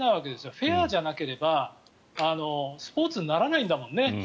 フェアじゃなければスポーツにならないんだもんね。